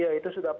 ya itu sudah pasti